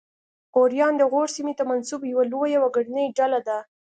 غوریان د غور سیمې ته منسوب یوه لویه وګړنۍ ډله ده